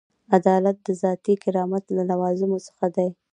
عدالت د ذاتي کرامت له لوازمو څخه دی.